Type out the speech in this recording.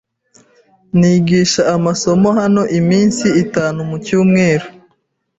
Nigisha amasomo hano iminsi itanu mucyumweru.